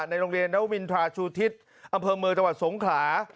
ในโรงเรียนนวินทราชูทิศอำเภอเมืองจังหวัดสงขลา